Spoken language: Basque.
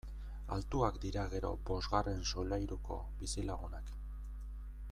Altuak dira gero bosgarren solairuko bizilagunak!